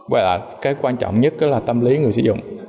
quay lại quan trọng nhất là tâm lý người sử dụng